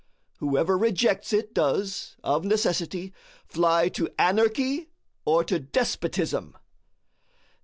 Whoever rejects it does, of necessity, fly to anarchy or to despotism.